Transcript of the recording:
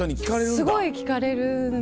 すごい聞かれるので。